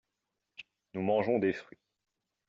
Nous mangeons des fruits.